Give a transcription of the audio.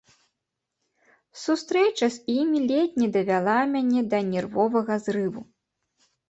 Сустрэча з імі ледзь не давяла мяне да нервовага зрыву.